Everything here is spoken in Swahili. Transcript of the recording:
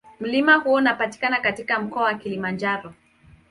Mlima huo unapatikana katika Mkoa wa Kilimanjaro.